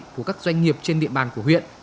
của các doanh nghiệp trên địa bàn của huyện